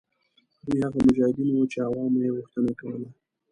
دوی هغه مجاهدین وه چې عوامو یې غوښتنه کوله.